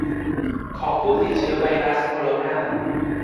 ของผู้ติดเชื้อไวรัสโคโรนา